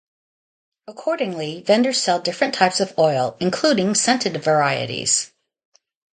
Accordingly, vendors sell different types of oil, including scented varieties.